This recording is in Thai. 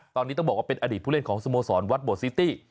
ตอนนี้ต้องบอกว่าเป็นอดีตผู้เล่นของสโมสรวัดโบซิตี้